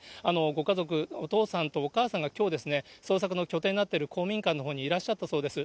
ご家族、お父さんとお母さんがきょう、捜索の拠点になっている公民館のほうにいらっしゃったそうです。